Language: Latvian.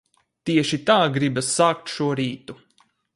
Tieši tā gribas sākt šo rītu.